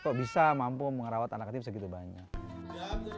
kok bisa mampu mengurawat anak yatim segitu banyak